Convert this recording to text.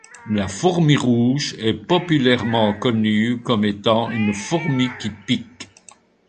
La fourmi rouge est populairement connue comme étant une fourmi qui pique.